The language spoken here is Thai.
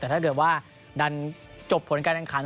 แต่ถ้าเกิดว่าดันจบผลการแข่งขัน